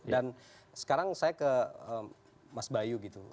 dan sekarang saya ke mas bayu gitu